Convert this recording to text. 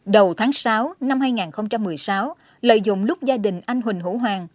đầu tháng sáu năm hai nghìn một mươi sáu lợi dụng lúc gia đình anh huỳnh hữu hoàng